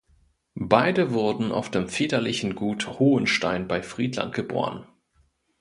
Beide wurden auf dem väterlichen Gut Hohenstein bei Friedland geboren.